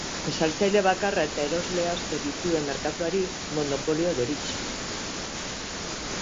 Saltzaile bakarra eta erosle asko dituen merkatuari monopolio deritzo.